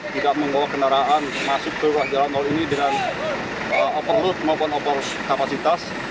tidak menggawa kendaraan masuk ke ruas jalan nol ini dengan overload maupun overkapasitas